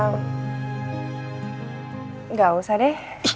nggak usah deh